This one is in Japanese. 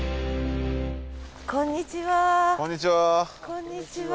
こんにちは。